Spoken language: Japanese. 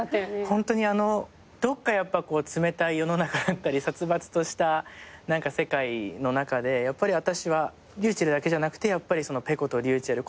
ホントにどっか冷たい世の中だったり殺伐とした世界の中でやっぱり私はｒｙｕｃｈｅｌｌだけじゃなくてｐｅｃｏとｒｙｕｃｈｅｌｌ